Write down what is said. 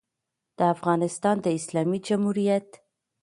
د افغانستان د اسلامي جمهوریت